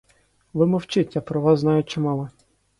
Ви мовчіть, я про вас знаю чимало.